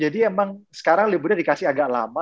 jadi emang sekarang liburnya dikasih agak lama